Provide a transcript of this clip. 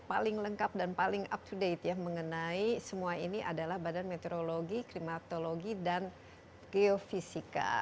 paling lengkap dan paling up to date ya mengenai semua ini adalah badan meteorologi klimatologi dan geofisika